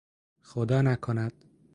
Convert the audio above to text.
خدا نکند!